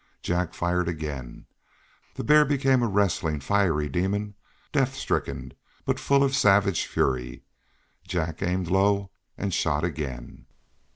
Jack fired again. The bear became a wrestling, fiery demon, death stricken, but full of savage fury. Jack aimed low and shot again.